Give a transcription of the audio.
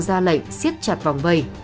ra lệnh siết chặt vòng vây